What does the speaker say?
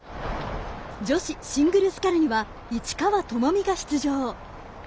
女子シングルスカルには市川友美が出場。